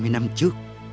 hai mươi năm trước